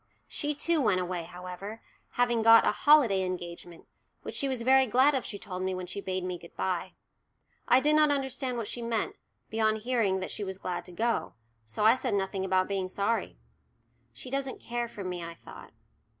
She too went away, however, having got a "holiday engagement," which she was very glad of she told me when she bade me good bye. I did not understand what she meant, beyond hearing that she was glad to go, so I said nothing about being sorry. "She doesn't care for me," I thought.